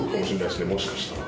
もしかしたら。